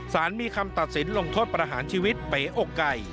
สารมีคำตัดสินลงโทษประหารชีวิตเป๋อกไก่